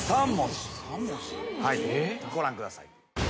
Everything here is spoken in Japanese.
ご覧ください。